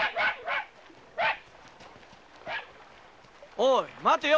おい待てよ！